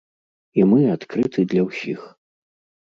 І мы адкрыты для ўсіх.